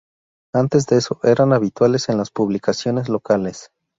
Antes de eso eran habituales en las publicaciones locales.